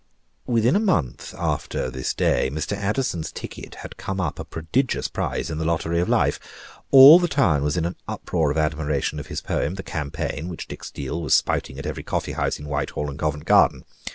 Within a month after this day, Mr. Addison's ticket had come up a prodigious prize in the lottery of life. All the town was in an uproar of admiration of his poem, the "Campaign," which Dick Steele was spouting at every coffee house in Whitehall and Covent Garden.